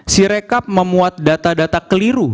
sirekap memuat data data keliru